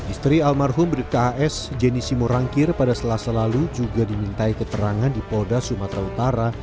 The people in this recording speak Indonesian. istri almarhum bribka as jenisimorangkir pada selasa lalu juga dimintai keterangan di polda sumatera utara